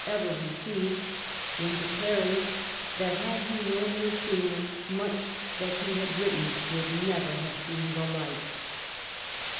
1 1 ever received, when declaring that had he known her sooner, much that he had written would never have seen the light.